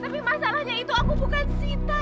tapi masalahnya itu aku bukan sita